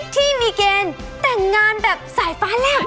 ที่มีเกณฑ์แต่งงานแบบสายฟัน